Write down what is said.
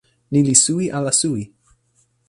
ni li suwi ala suwi?